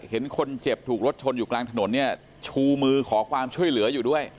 เห็นคนเจ็บถูกรถชนอยู่กลางถนนเนี่ยชูมือขอความช่วยเหลืออยู่ด้วย